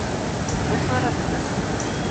D acu ara tles?